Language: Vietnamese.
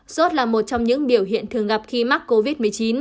sốt là một trong những biểu hiện thường gặp khi mắc covid một mươi chín